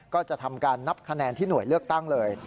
ก็จะทำการนับคะแนนที่หน่วยเลือกตั้งเลย